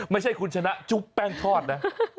ไม่ใช่คุณชนะจุ๊บแป้งทอดนะ